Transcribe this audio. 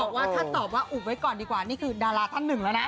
ว่าถ้าตอบว่าอุบไว้ก่อนดีกว่านี่คือดาราท่านหนึ่งแล้วนะ